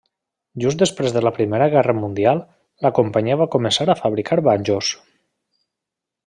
Just després de la Primera Guerra Mundial, la companyia va començar a fabricar banjos.